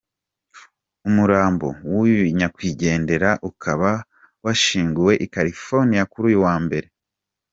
Umurambo w’uyu nyakwigendera ukaba washyinguwe I California kuri uyu wa mbere.